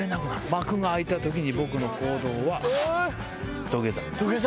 幕が開いたときに僕の行動は。土下座。